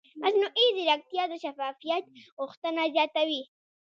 مصنوعي ځیرکتیا د شفافیت غوښتنه زیاتوي.